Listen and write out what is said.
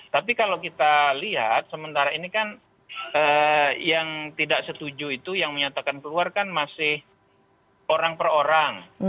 tapi kalau kita lihat sementara ini kan yang tidak setuju itu yang menyatakan keluar kan masih orang per orang